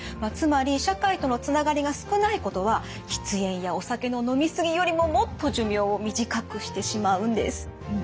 つまり社会とのつながりが少ないことは喫煙やお酒の飲み過ぎよりももっと寿命を短くしてしまうんです。